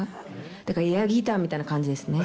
だから、エアギターみたいな感じですね。